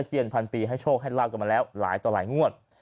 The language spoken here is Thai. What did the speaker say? เทียนพันปีให้โชคให้ลาบกันมาแล้วหลายต่อหลายงวด